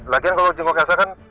lagian kalau jengkok elsa kan